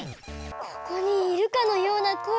ここにいるかのような声。